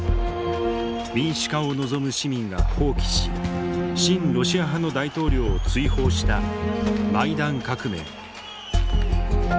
民主化を望む市民が蜂起し親ロシア派の大統領を追放したマイダン革命。